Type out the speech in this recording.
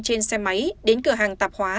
trên xe máy đến cửa hàng tạp hóa